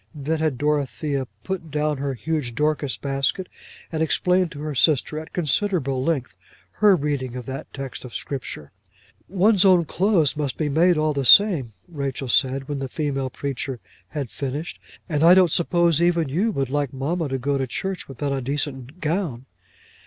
Then had Dorothea put down her huge Dorcas basket, and explained to her sister, at considerable length, her reading of that text of Scripture. "One's own clothes must be made all the same," Rachel said when the female preacher had finished. "And I don't suppose even you would like mamma to go to church without a decent gown."